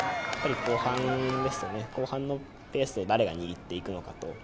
後半ですよね、後半のペースで誰が握っていくのかと。